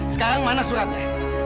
sekarang mana suratnya